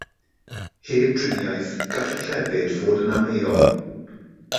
Heb driniaeth gall y clefyd fod yn angheuol.